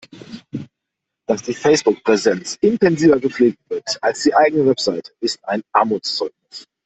Dass die Facebook-Präsenz intensiver gepflegt wird als die eigene Website, ist ein Armutszeugnis.